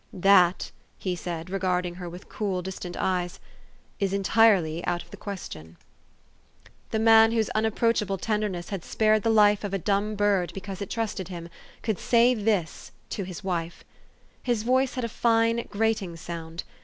" That," he said, regarding her with cool, distant eyes, "is entirely out of the question." The man 364 THE STORY OF AVIS. whose unapproachable tenderness had spared the life of a dumb bird because it trusted him, could say this to his wife. His voice had a fine, grating sound.